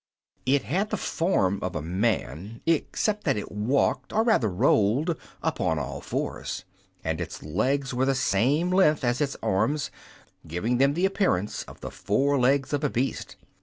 It had the form of a man, except that it walked, or rather rolled, upon all fours, and its legs were the same length as its arms, giving them the appearance of the four legs of a beast.